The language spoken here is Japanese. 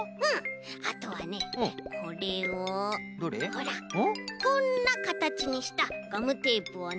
ほらこんなかたちにしたガムテープをね。